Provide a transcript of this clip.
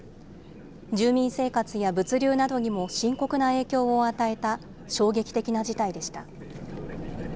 住民生活や物流などにも深刻な影響を与えた衝撃的な事態でした。